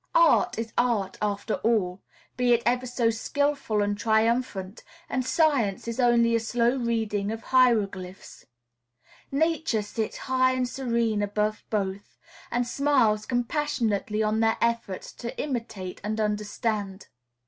Art is art, after all, be it ever so skilful and triumphant, and science is only a slow reading of hieroglyphs. Nature sits high and serene above both, and smiles compassionately on their efforts to imitate and understand.